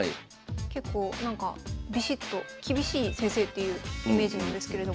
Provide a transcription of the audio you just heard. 結構なんかビシッと厳しい先生っていうイメージなんですけれども。